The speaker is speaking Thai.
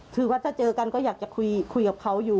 คือว่าถ้าเจอกันก็อยากจะคุยกับเขาอยู่